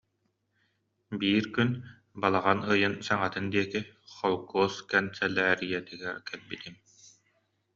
Биир күн, балаҕан ыйын саҥатын диэки, холкуос кэнсэлээрийэтигэр кэлбитим